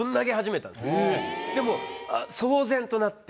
でもう騒然となって。